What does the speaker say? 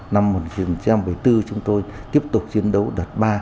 năm một nghìn chín trăm bảy mươi bốn chúng tôi tiếp tục chiến đấu đợt ba